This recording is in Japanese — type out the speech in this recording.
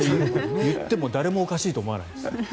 言っても誰もおかしいと思わない。